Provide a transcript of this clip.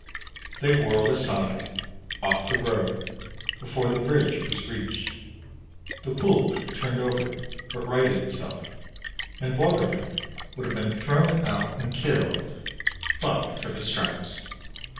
They whirled aside, off the road, before the bridge was reached. The pulk turned over, but righted itself, and Borgrevinck would have been thrown out and killed but for the straps.